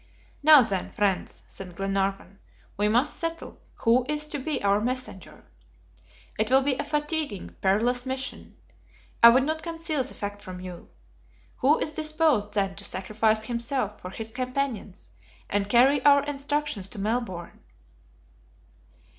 "Now, then, friends," said Glenarvan, "we must settle who is to be our messenger. It will be a fatiguing, perilous mission. I would not conceal the fact from you. Who is disposed, then, to sacrifice himself for his companions and carry our instructions to Melbourne?"